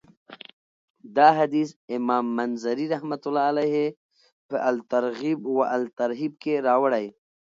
دا حديث امام منذري رحمه الله په الترغيب والترهيب کي راوړی .